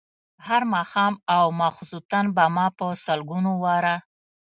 هر ماښام او ماخوستن به ما په سلګونو واره.